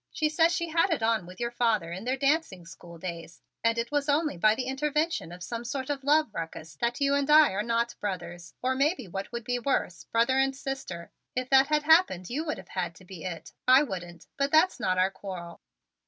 She says she had it on with your father in their dancing school days and it was only by the intervention of some sort of love ruckus that you and I are not brothers or maybe what would be worse, brother and sister. If that had happened you would have had to be it. I wouldn't. But that's not our quarrel."